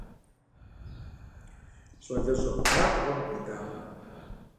Щӏалэщӏэ плӏабгъуэм идакъым.